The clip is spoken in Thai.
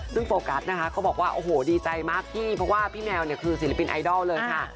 ซึ่งโฟกัสนะคะก็บอกว่าโอ้โหดีใจมากที่เพราะว่าพี่แมวเนี่ยคือศิลปินไอดอลเลยค่ะ